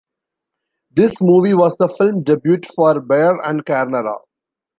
This movie was the film debut for Baer and Carnera.